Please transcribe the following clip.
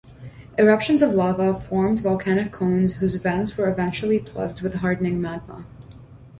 Eruptions of lava formed volcanic cones whose vents were eventually plugged with hardening magma.